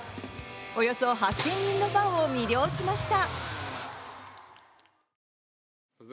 およそ８０００人のファンを魅了しました。